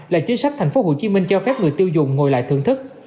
là chính sách thành phố hồ chí minh cho phép người tiêu dùng ngồi lại thưởng thức